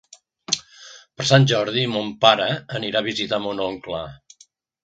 Per Sant Jordi mon pare anirà a visitar mon oncle.